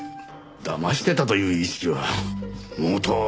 だましてたという意識は毛頭ありませんが。